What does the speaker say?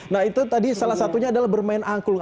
nah itu tadi salah satunya adalah bermain angklung